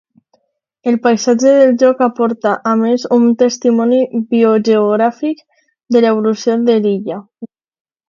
El paisatge del lloc aporta a més un testimoni biogeogràfic de l'evolució de l'illa.